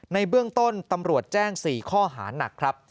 ในเบื้องต้นตำรวจแจ้ง๔ข้อหานักครับ